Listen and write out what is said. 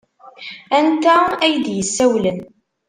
Anta ay d-yessawlen?